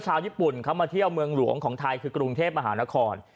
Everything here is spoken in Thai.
ชาวญี่ปุ่นเขามาเที่ยวเมืองหลวงของไทยคือกรุงเทพมหานคร